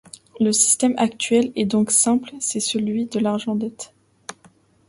Le système actuel est donc simple : c’est celui de l’argent-dette.